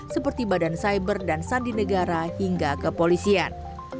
seperti badan cyber dan sandi negara hingga kepolisian